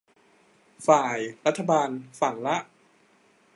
ฝ่ายรัฐบาลฝั่งละ